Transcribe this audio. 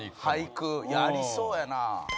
いやありそうやな。